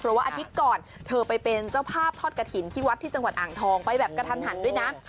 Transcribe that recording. เพราะว่าอาทิตย์ก่อนเธอไปเป็นเจ้าภาพทอดกระถิ่นที่วัดที่จังหวัดอ่างทองไปแบบกระทันหันด้วยนะ